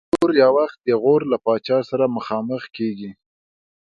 تیمور یو وخت د غور له پاچا سره مخامخ کېږي.